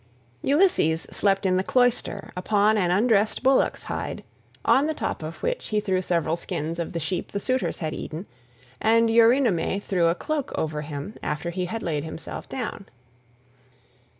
Ulysses slept in the cloister upon an undressed bullock's hide, on the top of which he threw several skins of the sheep the suitors had eaten, and Eurynome156 threw a cloak over him after he had laid himself down.